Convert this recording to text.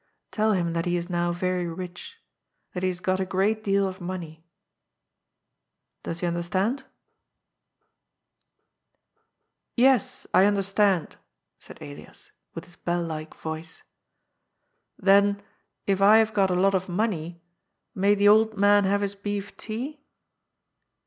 Tell him that he is now very rich. That he has got a great deal of money. Does he understand ?" 136 GOD'S FOOL. ^^ Yes, I nnderBtand," said Elias, with his bell like voice. ^ Then, if I have got a lot of money, may the old man have his beef tea?"